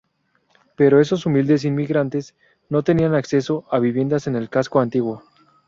Pero esos humildes inmigrantes no tenían acceso a viviendas en el casco antiguo.